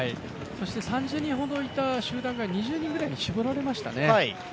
３０人ほどいた集団が、２０人ぐらいに絞られましたね。